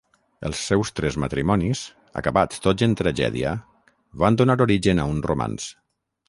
Els seus tres matrimonis, acabats tots en tragèdia, van donar origen a un romanç.